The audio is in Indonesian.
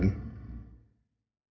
aku pun terbilang sedikit buntur gue